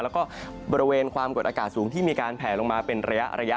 แล้วก็บริเวณความกดอากาศสูงที่มีการแผลลงมาเป็นระยะ